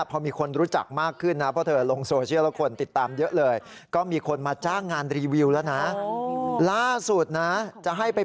เพราะเขาติดตกใจแล้วพูดออกมาเลยอย่างนี้